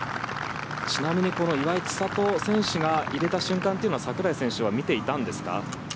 ちなみに岩井千怜選手が入れた瞬間というのは櫻井選手は見ていたんですか？